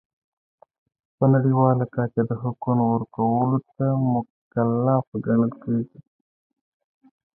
په نړیواله کچه د حقونو ورکولو ته مکلف ګڼل کیږي.